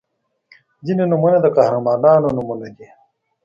• ځینې نومونه د قهرمانانو نومونه دي.